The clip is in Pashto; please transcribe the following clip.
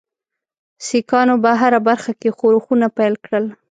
سیکهانو په هره برخه کې ښورښونه پیل کړل.